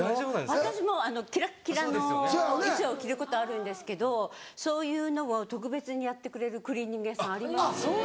私もキラッキラの衣装着ることあるんですけどそういうのを特別にやってくれるクリーニング屋さんあります。